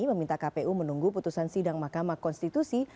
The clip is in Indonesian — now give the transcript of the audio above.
meminta kpu menunggu putusan sidang mahkamah konstitusi